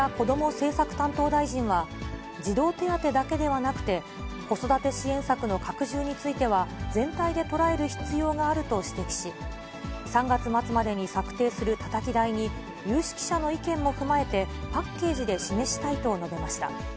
政策担当大臣は、児童手当だけではなくて、子育て支援策の拡充については、全体で捉える必要があると指摘し、３月末までに策定するたたき台に、有識者の意見も踏まえて、パッケージで示したいと述べました。